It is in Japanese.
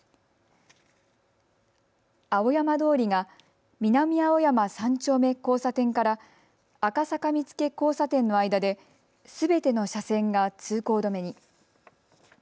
青山通りが南青山三丁目交差点から赤坂見附交差点の間ですべての車線が通行止めに。